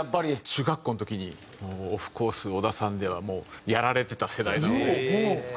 中学校の時にオフコース小田さんではもうやられてた世代なので。